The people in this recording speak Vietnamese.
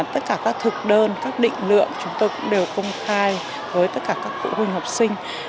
tất cả các thực đơn các định lượng chúng tôi cũng đều công khai với tất cả các phụ huynh học sinh